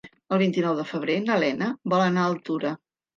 El vint-i-nou de febrer na Lena vol anar a Altura.